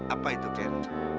apa itu ken